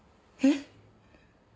えっ？